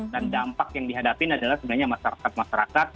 dan dampak yang dihadapin adalah sebenarnya masyarakat masyarakat